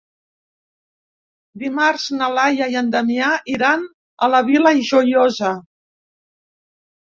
Dimarts na Laia i en Damià iran a la Vila Joiosa.